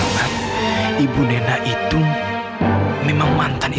kamu kok disini